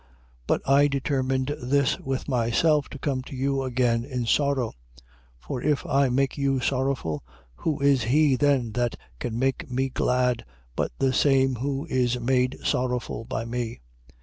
2:1. But I determined this with myself, to come to you again in sorrow. 2:2. For if I make you sorrowful, who is he then that can make me glad, but the same who is made sorrowful by me?